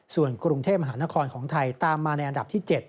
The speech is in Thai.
ส่วนกรุงเทพมหานครของไทยตามมาในอันดับที่๗